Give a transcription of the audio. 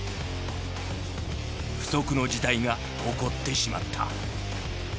不測の事態が起こってしまった。